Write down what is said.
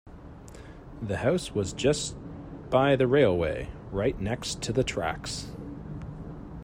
The house was just by the railway, right next to the tracks